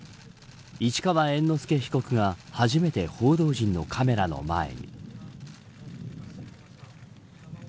市川猿之助被告が初めて報道陣のカメラの前に。